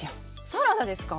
サラダですか？